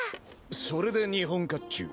それで日本甲冑。